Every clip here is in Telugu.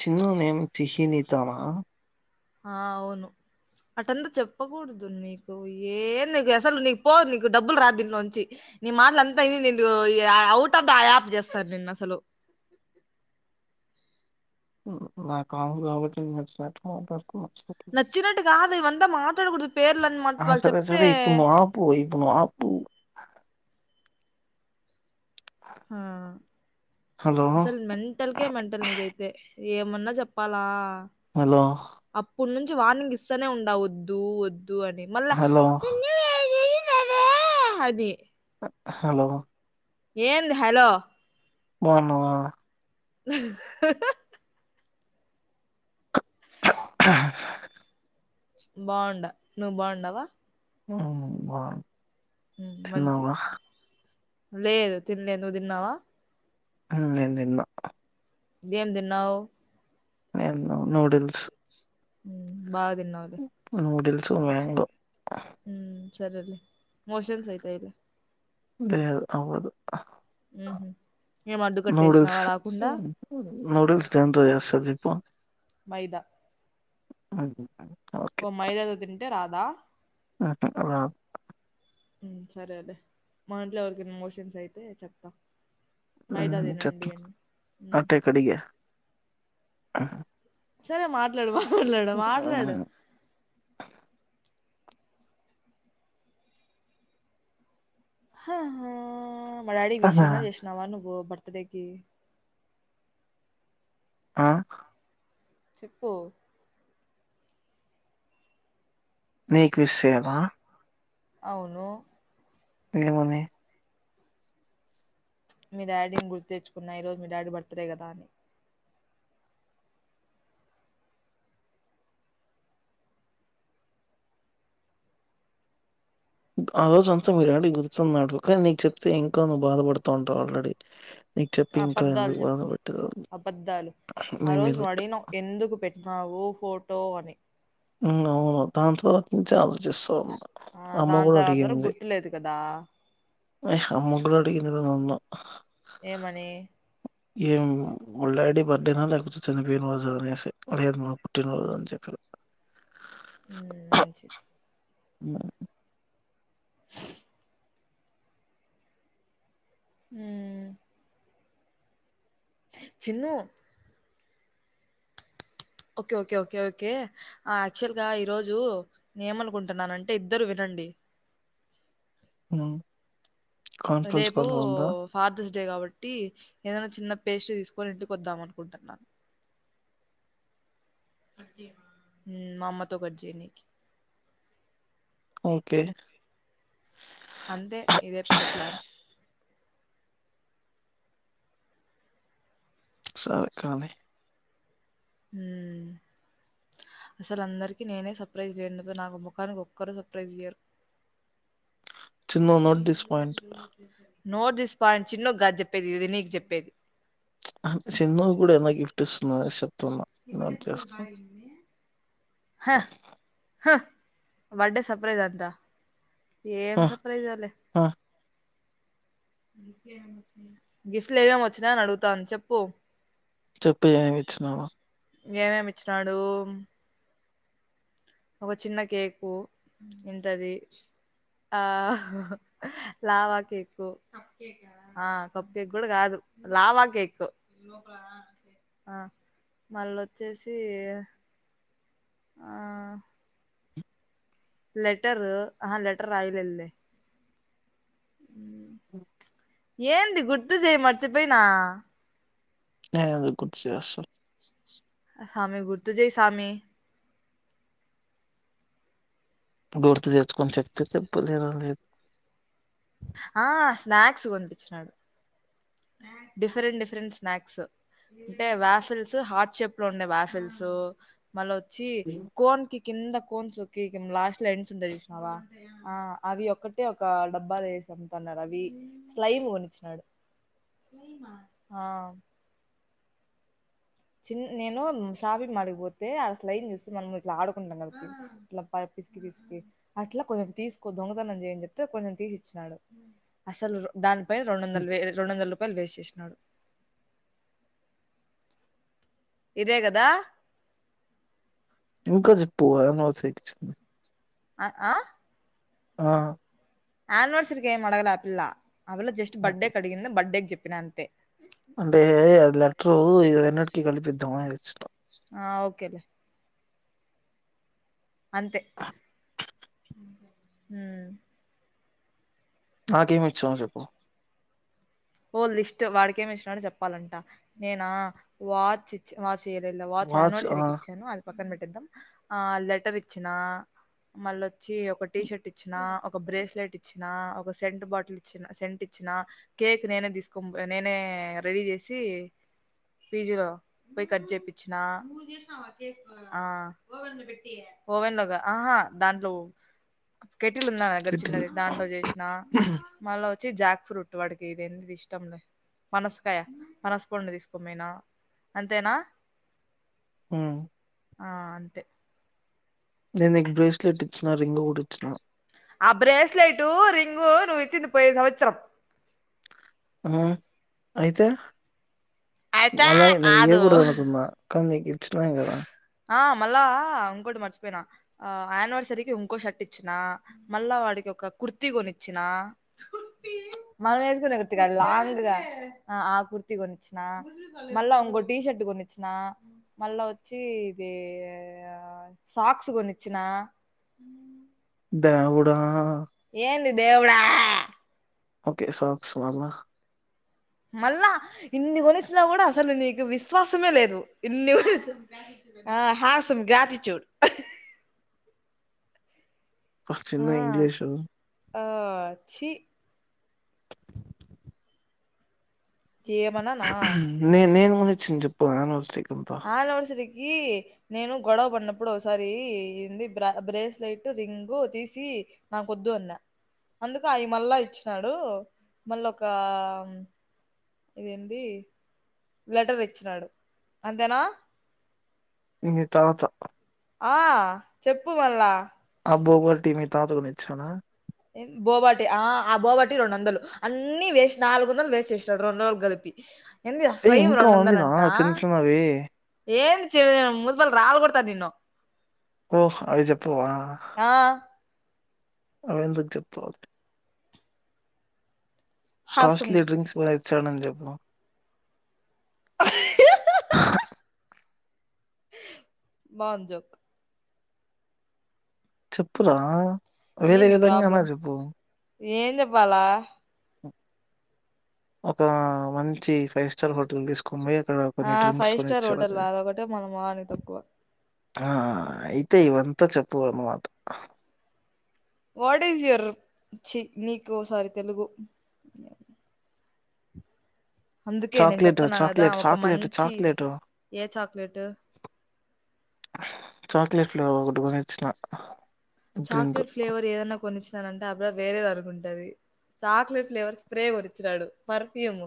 చిన్నూ మేమ్ తీషి నిద్ధామా ఆ అవును అటంతా చెప్పగూడదు ని నీకు ఏంద్నీకసలు నీకు పో నీకు డబ్బులు రాదు దీన్లోంచి నీ మాట్లంతా ఇని నిన్ను ఔట్ ఆఫ్ ద యాప్ జేస్తారు నిన్నసలు న్ నా కాల్ గాబట్టి నచ్చినట్ మాట్లాడుతున్న నచ్చినట్టు గాదు ఇవంతా మాట్లాడగూడ్దు పేర్లని మాక్ వాల్చెప్తే పో ఇపుడు నువ్ ఆపు హా హలో అసల్ మన్ మెంటల్కే మెంటల్ నీకైతే ఏమన్నా జెప్పాలా హలో అప్పన్నుంచి వార్నింగ్ ఇస్తానే ఉండా ఒద్దు ఒద్దు అని మళ్ళా హలో ఎన్ [unintelligible] అనీ హలో ఏంది హలో బావున్నవా బావుండ నువ్ బావుండావ ఉమ్ బావున్ మ్మ్ మంచిది లేదు తినలే నువు దిన్నావా హు నేన్ దిన్నా ఏం దిన్నావు నేనూ నూడిల్స్ ఉమ్ బాగా దిన్నావ్ ల్ నూడిల్స్ మ్యాంగో ఉమ్ సరేలే మోషన్స్ అయితయిలే దేదు అవ్వదు ఉమ్ హూ ఏం అడ్డుకట్టేసినావా రాకుండా నూడుల్స్ దేంతో జేస్తార్ చెప్పు మైదా అంతే కాని అవదు ఓ మైదా అది తింటే రాదా మ్మ్ అ రాద్ మ్మ్ సరేలే మా ఇంట్లో ఎవరికైనా మోషన్స్ అయితే చెప్తాం మైదా తినండి చెప్పు అని మ్మ్ అట్టే కడిగా ఆ సరే మాట్లాడు మాట్లాడు మాట్లాడు ఉమ్, మా డాడీకి విష్ ఆహా! అన్న చేసినావ నువ్వు బర్తడేకి ఆ చెప్పు నీకు విష్ చేయాలా అవును ఏమని మీ డాడీని గుర్తు తెచ్చుకున్న ఈరోజ మీ డాడీ బర్త్డే కదా అని ఆ రోజు అంతా మీ డాడీ గుర్తున్నాడు కానీ నీకు చెప్తే ఇంకా నువ్వు బాధపడుతూ ఉంటావు ఆల్రెడీ నీకు చెప్పి ఇంకా అబద్ధాలు ఎందుకు చెప్పు బాధపెట్టాలి అని అబద్ధాలు ఆ నీ రోజు నువ్వు మీదొట్టు అడిగినావు ఎందుకు పెట్టినావు ఫోటో అని మ్మ్ అవును దాని తరవాత నుంచె ఆలోచిస్తున్నా ఆ దాని తర్వాతనే గుర్తులేదు కదా ఏ అమ్మ కూడా అడిగింది నన్ను మా అమ్మ ఏమని ఏమని వాళ్ళ డాడీ బర్త్డేనా లేకపోతే చనిపోయిన రోజా అనేసి లేదు మా పుట్టినరోజు అని చెప్పినా [inaudible] మ్మ్ మంచిది మ్మ్ హ్మ్మజ్ మ్మ్ హ్మ్మ్ Chinnu okay okay okay okay ఆ యాక్చువల్గా ఈ రోజు నేమనుకుంటున్నాను అంటే ఇద్దరు వినండి మ్మ్ కాన్ఫరెన్స్ రేపు కాల్లో ఉందా ఫాదర్స్ డే కాబట్టి ఏదైనా చిన్న పేస్ట్రీ తీసుకొని ఇంటికి వద్దాం అనుకుంటున్నా మ్మ్ మా అమ్మతో కట్ చేయనికి ఓకే అంతే ఇదే పెద్ద ప్లాన్ సరే కాని మ్మ్ అసలు అందరికీ నేనే సర్ప్రైజ్ [inaudible] నాకు ముఖానికి ఒక్కరు సర్ప్రైజ్ ఇయ్యరు Chinnu note this point note this point చిన్నుకు కాదు చెప్పేది ఇది నీకు చెప్పేది ఆహా చిన్ను కూడా ఏదైనా గిఫ్ట్ ఇస్తున్నావ అనేసి చెప్తున్నా నోట్ చేసుకో. [inaudible] హా హా బర్త్డే సర్ప్రైజ్ అంట ఏం ఆ! సర్ప్రైజో లే ఆ గిఫ్ట్లు ఏమేం వొచ్చినాయని అడుగుతాంది చెప్పు చెప్పు ఏమేం ఇచ్చినావొ ఏమేం ఇచ్చినాడు ఒక చిన్న కేకు ఉంటది అహ్ హా హా లావా కేకు ఆ కప్ కేక్ గూడా కదు లావా కేకు ఆ మల్లోచ్చేసి ఆ లెటరు అహా లెటర్ రాయలేద్లే ఉ ఏంది గుర్తుజెయ్ మర్చిపేయినా [unintelligible] గుర్తు చెయ్ అసలు సామీ గుర్తుజెయ్ సామీ గుర్తుదెచ్చుకొని చెప్తే చెప్పు లేదంటే లే ఆ స్నాక్స్ కోనిపిచ్చినాడు డిఫరెంట్ డిఫరెంట్ స్నాక్స్ అంటే వ్యాఫిల్స్ హార్ట్ షేప్ లో ఉండే వ్యాఫిల్సు మళ్లోచ్చి హ్మ్. కోన్ కిక్ కింద కోన్సుకి కింలాస్ట్లో ఎండ్స్ ఉంటయ్ జూశ్నవా ఆ అవి ఒక్కటే ఒక డబ్బా వేసి అమ్ముతన్నారవవీ స్లైలు గొనిచ్చినాడు ఆ చిన్ నేను షాపింగ్ మాల్కిపోతే ఆ స్లైన్ జూసి మనమిట్లా ఆడుకుంటాం ఆ అట్లా పై పిసికి పిసికి అట్లా కొంచం తీస్కో దొంగతనం జెయన్ జెప్తే కొంచెం తీసి ఇచ్చినాడు అసలు దానిపై రెండువందల వే రెండు వందల రూపాలు వేస్ట్ జేశ్నాడు ఇదే గదా ఇంకా జెప్పు [unintelligible] ఆ ఆ ఆ ఆనివర్సరీకేం అడగల ఆ పిల్లా ఆ పిల్ల జస్ట్ బర్త్డే కడిగిందన్ బర్త్డేక్ జెప్పినంతే అంటే అది లెట్రు ఈ రెన్నుటికి కల్పిద్దాం ఆ ఓకేలే అంతే ఊ నాకేమిచ్చావ్ జెప్పు ఓ లిస్ట్ వాడికేం ఇచ్చినాడో జెప్పాలంట నేనా వాచ్చి చ్ చ్ వాచ్ఇయలేదు వాచ్ అన్నివెర్సర్య్ కి ఇచ్చాను అన్ పక్కన్పెట్టిద్దాం ఆ లెటర్ ఇచ్చినా మళ్ళొచ్చి ఒక టీషీర్ట్ ఇచ్ ఇచ్చిన ఒక బ్రేస్లెట్ ఇచ్చిన ఒక సెంట్ బాటిల్ ఇచ్చిన సెంట్ ఇచ్చినా కేక్ నేనే దీస్కోన్బోయ్ నేనే రెడీ జేసి పీజీలో పోయి కట్ జేపిచ్చిన ఆ ఓవెన్ లోగా ఆహా దాంట్లో కెటిలున్నాదగ్గర కిటిల్ చిన్నది దాంట్లో జేశ్నా మళ్ళా వొచ్చి జాక్ ఫ్రూట్ వాడిక్ ఇదేంది ఇష్టంలే పనాశకాయ పనసపండు తీసుకోని పోయిన అంతేనా హు ఆ అంతే నేన్నీకు బ్రేస్లెట్ ఇచ్చిన రింగు గూడ ఇచ్చిన ఆ బ్రేస్లెటు రింగు నువిచ్చింది పోయి సంవత్సరం ఆ అయితే అయితే వళ్ళ నే ఇయ్య కాదు కూడదనుకున్నా కాన్నీకిచ్చినాన్ గదా ఆ మళ్ళా ఉంకోటి మర్చిపేనా ఆ ఆనివర్సరీకి ఉంకో షర్ట్ ఇచ్చినా మళ్ళా వాడికొక కుడ్తీ గొనిచ్చినా మనమేస్కుంటే గుత్తుగాదు లాంగ్లుగా ఆ ఆ కుర్తి కొనిచ్చినా మళ్ళా ఉంగో టీ షర్ట్ కొన్నిచ్నా మళ్ళా ఒచ్చి ఇది సాక్స్ కొనిచ్చినా దేవుడా ఏంది దేవుడా ఓకే సాక్స్ ఇవాళ మళ్ళా ఇన్ని కొనిచ్చినా కూడా అస్సలు నీకు విశ్వాసమే లేదు ఇన్ని కొని ఆ హాసం గ్రాటిట్యూడ్ అబ చిన్న ఆ ఇంగ్లీషు ఆ చీ ఏమననా నే నేను కొనిచ్చింది చెప్పు అనివర్సీ అనివర్సరీ కి నేను గొడవ పడ్నప్పుడు ఒసారి ఇంది బ్ర బ్రేస్లెట్ రింగు తీసి నాకొద్దు అన్న అందుకు అవి మళ్ళా ఇచ్చినాడు మళ్ళొకా ఇదేంది లెటర్ తేచ్చినాడు అంతేనా ఇది తరవాత ఆ చెప్పు మళ్ళా ఆ బోవట్టి మీ తాతకొనిచ్చాడా ఎం బోవాటి ఆ బోవాటి రెండు వందలు అన్ని వేస్ట్ నాలుగు వందలు వేస్ట్ చేస్నాడు రెండు రోజులకు కలిపి ఎంది ఆ ఏయ్! స్లైం ఇంకా ఉందిరా రెండువందలంటా చిన్న చిన్నవి. ఏంది చె ముతిపల్ రాల్ గొడ్తా నిన్ను ఓహొ అవి చెప్పవా ఆ అవెందుకు చెప్తావ్ కాస్ట్లీ హాసం డ్రింక్స్ కూడా ఇచ్చాడని జెప్పు బాగుంది జోక్ చెప్పురా ఏం వేరే నీ విధంగా అయినా ప్రాబ్లం చెప్పు. ఏం చెప్పాలా ఒక మంచి ఫైవ్ స్టార్ హోటల్ తీసు కొని పోయి అక్కడ కొన్ని ఆ డ్రింక్స్ ఫైవ్ స్టార్ హోటల్ కొనిచ్చాడని అదొకటే మన మొహానికి తక్కువ ఆ అయితే ఇవంతా చెప్పువు అన్మాట వాట్ ఈస్ యువర్ చీ నీకు సారీ తెలుగు అందుకే నేను చాక్లేట్, చెప్తున్నా గదా చాక్లేట్, ఒక చాక్లేట్, మంచి చాక్లేటు. ఏ చాక్లెట్ చాక్లేెట్లూ ఒకటి కొనిచ్చిన డ్రింక్ చాక్లెట్ ఫ్లేవర్ ఏదన్నా కొనిచ్నాదంటే ఆ పిల్లా వేరేది అనుగుంటది చాక్లెట్ ఫ్లేవర్ స్ప్రే కొనిచ్చినాడు పర్ఫ్యూమ్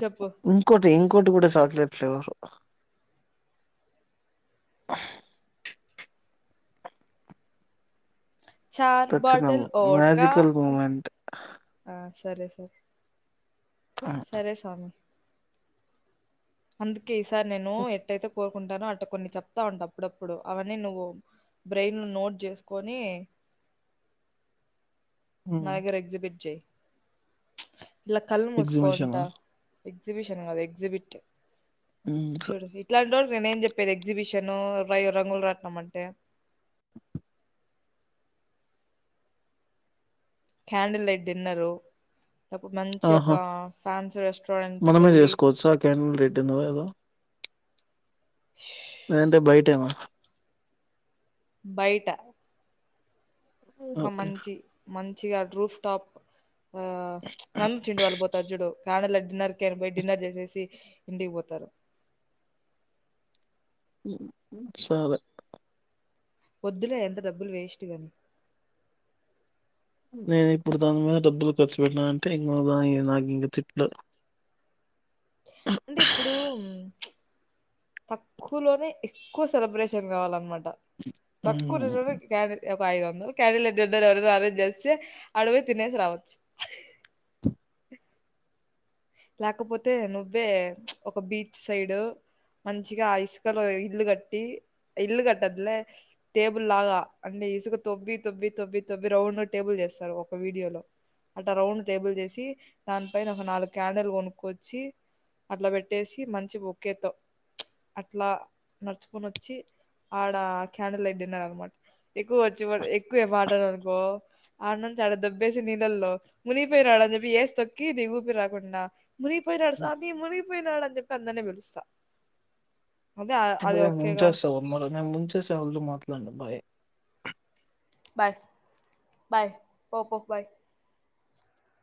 చెప్పు ఇంకోటి ఇంకోటి కూడా చాక్లెట్లూ ఫ్లేవర్ అహ్ చార్ that's the bottle vodka magical moment సరే స్వామి అందకే ఈ సారి నేను ఎట్టైతే కోరుకుంటాను అట్ట కొన్ని చెప్తా ఉంట అప్పుడప్పుడు అవన్నీ నువ్వు బ్రెయిన్ ను నోట్ జేస్కోనీ నా ఉమ్. దగ్గర ఎగ్జిబిట్ జై ఇలా కళ్ళు ఎగ్జిబిషన్ మూసుకోంటా ఎగ్జిబిషన్ కాదు ఎగ్జిబిట్ చూడు ఇట్లాంటోల్కి నేను ఏం చెప్పేది ఎగ్జిబిషన్ రయు రంగుల్రాట్నం అంటే క్యాండిల్ లైట్ డిన్నరు మంచి ఒక ఆహా ఫ్యాన్సీ రెస్టారెంట్ కెళ్ళి కేన్ రిటర్నో ఏదో లేదంటే బైటెమో బైట ఒక ఓకే మంచి మంచిగా ట్రూఫ్ టాప్ ఆ మమ్మి చింటు వాళ్ళు పోతారు జూడు కానలా డిన్నర్ కని పోయి డిన్నర్ చేసేసి ఇంటికి పోతారు సరే వొద్దులే అంత డబ్బులు వేస్ట్ గాని నేను ఇప్పుడు దాని మీద డబ్బులు ఖర్చు పెట్టనా అంటే ఇంగ నాయి నాగింగ తిట్లు అంటె ఇప్పుడూ తక్కువలోనే ఎక్కువ సెలబ్రేషన్ గావాలన్మాట తక్కువ ఉమ్. రే క్యాడిల్ ఒక ఐదు వందలు క్యాండిల్ నైట్ డిన్నర్ ఎవరైన అరేంజ్ చేస్తే ఆడ పోయి తినేసి రావచ్చు లేకపోతే నువ్వే ఒక బీచ్ సైడ్ మంచిగా అ ఇసుకలో ఇల్లు కట్టి ఇల్లు కట్టొదులే టేబుల్ లాగా అంటే ఇసుక తొవ్వి తొవ్వి తొవ్వి తొవ్వి రౌండ్గ టేబుల్ చేస్తారు ఒక వీడియోలో అట్ట రౌండ్ టేబుల్ చేసి దానిపైన ఒక నాలుగు క్యాండల్ కొనుక్కొచ్చి అట్ల పెట్టేసి మంచి ఒక్కెత్తొ అట్లా నడుచుకొని వచ్చి ఆడ క్యాండిల్ లైట్ డిన్నర్ అనమాట ఎక్కువ వచ్చి వ ఎక్కువే మాట్లడనుకో ఆడ నుంచి ఆడ దోబ్బేసి నీళ్ళల్లో మునిగిపోయినాడ అని చెప్పి ఏసి తొక్కి నీకు ఊపిరి రా కుండా మునిగిపోయినాడు స్వామి మునిగిపోయినాడు అని చెప్పి అందరినీ పిలుస్తా అదే అది నేను ఒకే గా ముంచేస్తా మరి నేను ముంచేసే వాళ్ళతో మాట్లాడను బాయ్ బాయ్ బాయ్ పొ పొ బాయ్